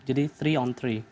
jadi tiga on tiga